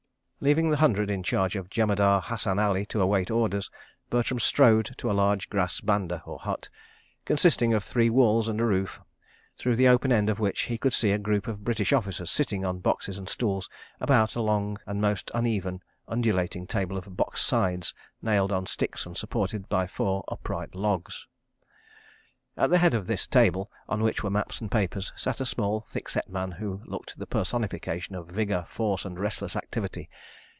Leaving the Hundred in charge of Jemadar Hassan Ali to await orders, Bertram strode to a large grass banda, or hut, consisting of three walls and a roof, through the open end of which he could see a group of British officers sitting on boxes and stools, about a long and most uneven, undulating table of box sides nailed on sticks and supported by four upright logs. At the head of this table, on which were maps and papers, sat a small thick set man, who looked the personification of vigour, force and restless activity.